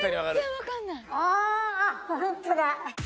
あー、本当だ。